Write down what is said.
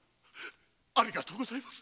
ありがとうございます。